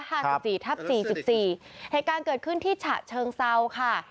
เหตุการณ์เกิดขึ้นที่ฉะเชิงเซาค่ะ